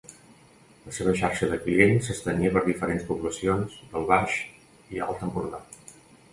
La seva xarxa de clients s'estenia per diferents poblacions del Baix i l'Alt Empordà.